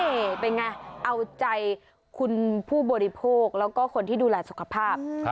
นี่เป็นไงเอาใจคุณผู้บริโภคแล้วก็คนที่ดูแลสุขภาพ